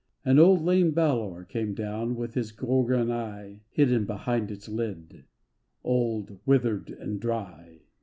And old lame Balor came down With his gorgon eye Hidden behind its lid, Old, withered and dry.